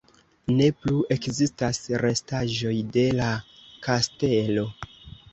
Ne plu ekzistas restaĵoj de la kastelo.